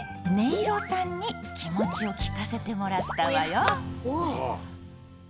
いろさんに気持ちを聞かせてもらったわよ。